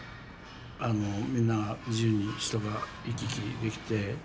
みんなが自由に人が行き来できて。